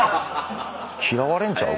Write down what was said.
嫌われんちゃう？